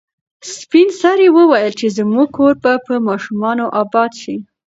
سپین سرې وویل چې زموږ کور به په ماشومانو اباد شي.